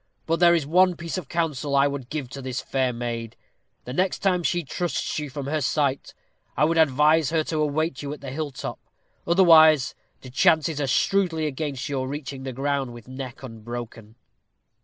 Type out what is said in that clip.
But there is one piece of counsel I would give to this fair maid. The next time she trusts you from her sight, I would advise her to await you at the hill top, otherwise the chances are shrewdly against your reaching the ground with neck unbroken."